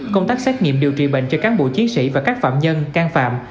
công tác xét nghiệm điều trị bệnh cho cán bộ chiến sĩ và các phạm nhân can phạm